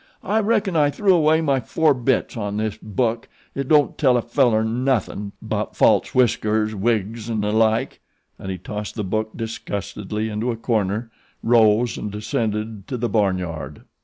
I reckon I threw away my four bits on this book it don't tell a feller nothin' 'bout false whiskers, wigs 'n' the like," and he tossed the book disgustedly into a corner, rose and descended to the barnyard.